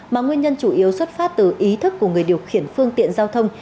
mà nguyên nhân chủ yếu xuất phát từ ý thức của người điều khiển phương tiện giao thông